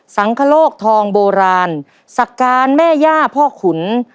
สังคโลกทองโบราณสการแม่ย่าพ่อขุน